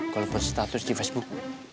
kalau post status di facebook